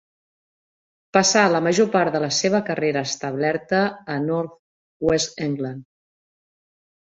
Passà la major part de la seva carrera establerta a North-West England.